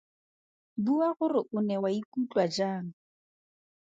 Bua gore o ne wa ikutlwa jang.